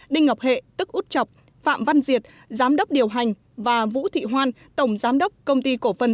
đinh ngọc hệ tức út chọc phạm văn diệt giám đốc điều hành và vũ thị hoan tổng giám đốc công ty cổ phần